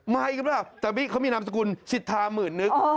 ไม่ครับแต่วิศวงศ์เขามีนามสกุลศิษฐามื่นนึก